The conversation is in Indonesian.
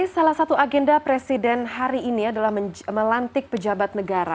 salah satu agenda presiden hari ini adalah melantik pejabat negara